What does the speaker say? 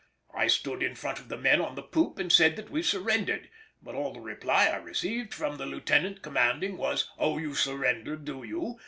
I stood in front of the men on the poop and said that we surrendered, but all the reply I received from the lieutenant commanding was, "Oh, you surrender, do you?..."